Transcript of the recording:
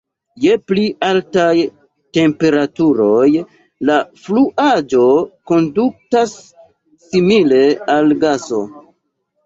Je pli altaj temperaturoj, la fluaĵo kondutas simile al gaso.